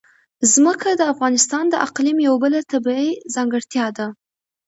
ځمکه د افغانستان د اقلیم یوه بله طبیعي ځانګړتیا ده.